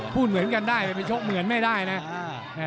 พูดเหมือนกันได้ไปชกเหมือนไม่ได้นะ